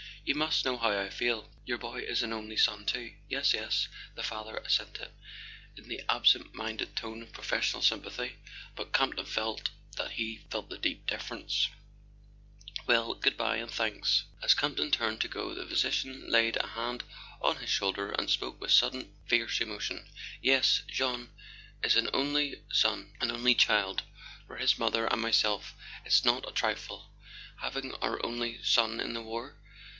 "You must know how I feel; your boy is an only son, too." "Yes, yes," the father assented, in the absent minded tone of professional sympathy. But Campton felt that he felt the deep difference. "Well, goodbye—and thanks." [ 69 ] A SON AT THE FRONT As Campton turned to go the physician laid a hand on his shoulder and spoke with sudden fierce emotion. "Yes: Jean is an only son—an only child. For his mother and myself it's not a trifle—having our only son in the war."